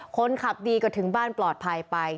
คนขับดีก็ถึงบ้านปลอดภัยไป